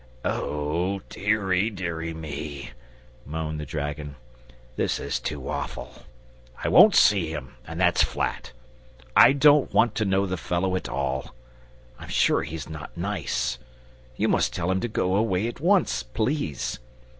"O deary, deary me," moaned the dragon; "this is too awful. I won't see him, and that's flat. I don't want to know the fellow at all. I'm sure he's not nice. You must tell him to go away at once, please.